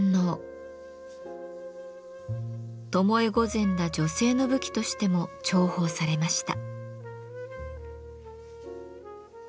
巴御前ら女性の武器としても重宝されました。